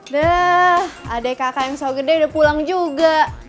dah adek kakak yang so gede udah pulang juga